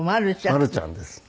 まるちゃんです。